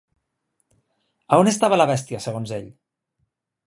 A on estava la bèstia, segons ell?